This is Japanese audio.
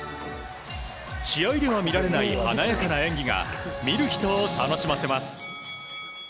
試合では見られない華やかな演技が見る人を楽しませます。